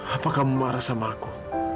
apa kamu marah sama aku